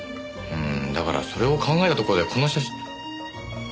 んーだからそれを考えたところでこの写真。